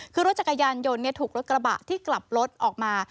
คือรถจักรยานยนต์ถูกรถกระบะที่กลับรถออกมา